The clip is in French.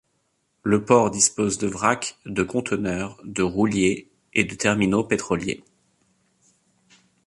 Le port dispose de vrac, de conteneurs, de rouliers, et de terminaux pétroliers.